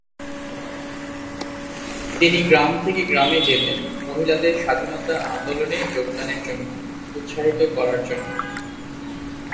তিনি গ্রাম থেকে গ্রামে গ্রামে যেতেন মহিলাদের স্বাধীনতা আন্দোলনে যোগদানের জন্য উত্সাহিত করার জন্য।